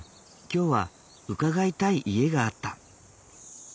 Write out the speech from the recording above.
今日は伺いたい家があった。